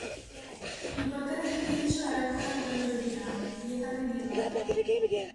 Il portale dell'edificio è ancora quello originale, di età medievale.